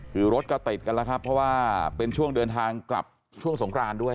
คือรถก็ติดกันแล้วครับเพราะว่าเป็นช่วงเดินทางกลับช่วงสงครานด้วย